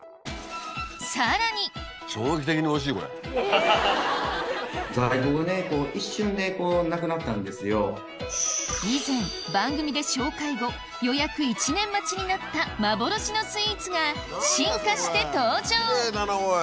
さらに以前番組で紹介後予約１年待ちになった幻のスイーツが進化して登場きれいだなおい！